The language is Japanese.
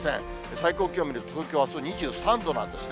最高気温見ると、東京あす２３度なんですね。